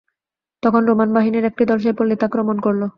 তখন রোমান বাহিনীর একটি দল সেই পল্লীতে আক্রমণ করল।